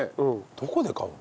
どこで買うの？